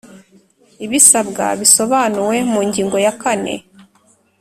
ibisabwa bisobanuwe mu Ngingo ya kane